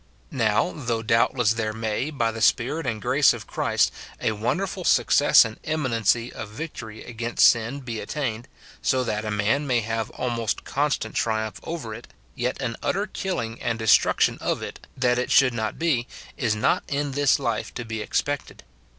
Now, though doubtless there may, by the Spirit and 184 MORTIFICATION OF grace of Christ, a wonderful success and eminency of victory against any sin be attained, so that a man may have almost constant triumph over it, yet an utter kill ing and destruction of it, that it should not be, is not in this life to be expected.